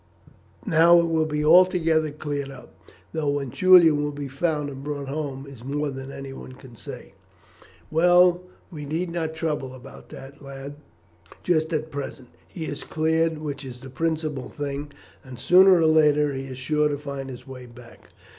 Now it will be altogether cleared up. Though when Julian will be found and brought home is more than anyone can say." "Well, we need not trouble about that, lad, just at present. He is cleared, which is the principal thing, and sooner or later he is sure to find his way back again."